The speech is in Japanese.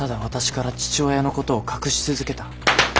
私から父親のことを隠し続けた。